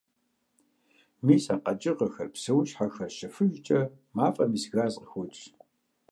Мис а къэкӀыгъэхэр, псэущхьэхэр щыфыжкӀэ мафӀэм ис газ къыхокӀ.